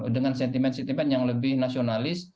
dengan sentimen sentimen yang lebih nasionalis